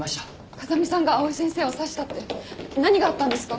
風見さんが藍井先生を刺したって何があったんですか？